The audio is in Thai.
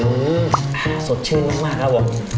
อื้อหือสดชื่นมากครับผม